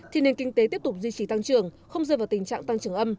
thì nền kinh tế tiếp tục duy trì tăng trưởng không rơi vào tình trạng tăng trưởng âm